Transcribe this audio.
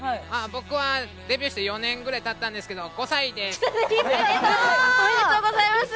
僕はデビューして４年ぐらいたったんですけど５歳です！